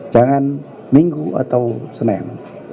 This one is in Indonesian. jangan minggu atau senin